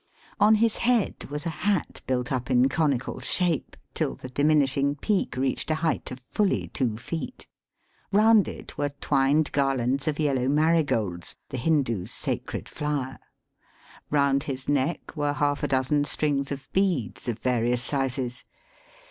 On his head was a hat built up in conical shape, till the diminishing peak reached a height of fully two feet. Eound it were twined garlands of yellow marigolds, the Hindoo's sacred flower. Bound his neck were half a dozen strings of beads of various sizes.